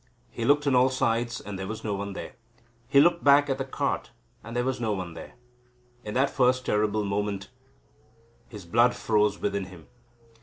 He looked on all sides and there was no one there. He looked back at the cart and there was no one there. In that first terrible moment his blood froze within him.